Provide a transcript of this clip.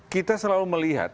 kita selalu melihat